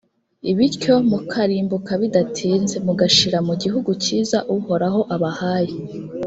bityo mukarimbuka bidatinze, mugashira mu gihugu cyiza uhoraho abahaye.